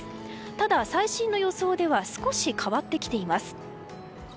ただ、最新の予想では少し変わってきています。